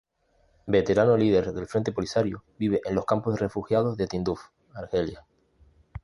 Veterano líder del Frente Polisario, vive en los campos de refugiados de Tinduf, Argelia.